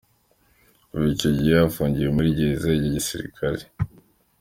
Kuva icyo gihe afungiye muri gereza ya gisirikare.